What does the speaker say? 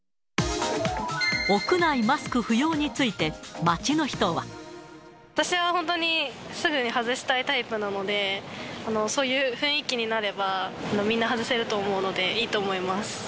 屋内マスク不要について、私は本当にすぐに外したいタイプなので、そういう雰囲気になれば、みんな外せると思うので、いいと思います。